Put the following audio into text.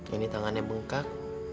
ini tangannya bengkak